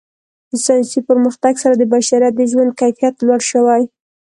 د ساینسي پرمختګ سره د بشریت د ژوند کیفیت لوړ شوی.